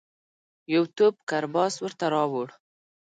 یو توپ کرباس ورته راووړ.